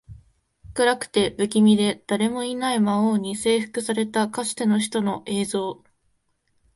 暗くて、不気味で、誰もいない魔王に征服されたかつての首都の映像